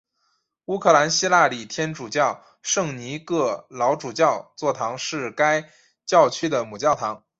乌克兰希腊礼天主教圣尼各老主教座堂是该教区的母教堂。